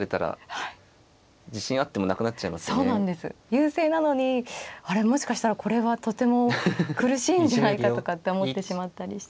優勢なのにあれもしかしたらこれはとても苦しいんじゃないかとかって思ってしまったりして。